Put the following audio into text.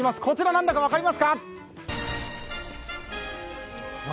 こちら、なんだか分かりますか。